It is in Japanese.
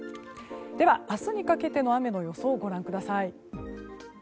では、明日にかけての雨の予想をご覧ください。